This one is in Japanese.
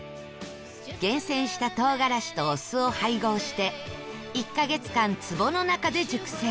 厳選した唐辛子とお酢を配合して１カ月間つぼの中で熟成